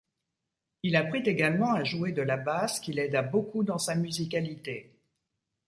Il apprit également à jouer de la basse qui l'aida beaucoup dans sa musicalité.